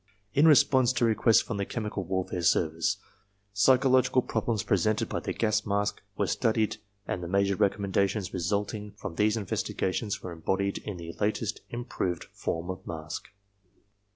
In response to requests from the Chemical Warfare Service, psychological problems presented by the gas mask were studied X INTRODUCTION and the major recommendations resulting from these investiga tions were embodied in the latest improved form of mask.